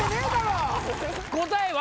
答えは？